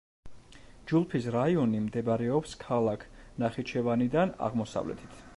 ჯულფის რაიონი მდებარეობს ქალაქ ნახიჩევანიდან აღმოსავლეთით.